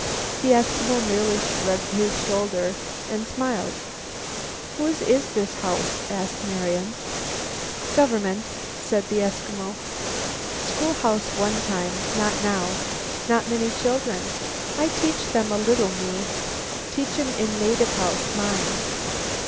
The Eskimo merely shrugged his shoulders and smiled. "Whose is this house?" asked Marian. "Government," the Eskimo replied. "Schoolhouse one time. Not now. Not many children. I I teach 'em a little, mine. Teach 'em in native house, mine."